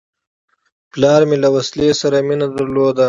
پلار مې له وسلې سره مینه درلوده.